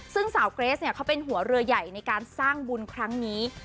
ซึ่งสาวเกรสเนี่ยเขาเป็นหัวเรือใหญ่ในการสร้างบุญครั้งนี้